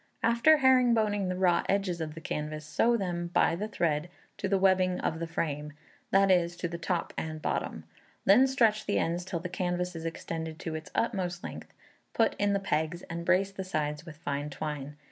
After herringboning the raw edges of the canvas, sew them, by the thread, to the webbing of the frame, that is, to the top and bottom. Then stretch the ends till the canvas is extended to its utmost length, put in the pegs, and brace the sides with fine twine.